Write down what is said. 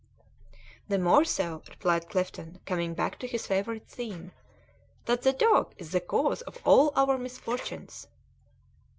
"The more so," replied Clifton, coming back to his favourite theme, "that the dog is the cause of all our misfortunes."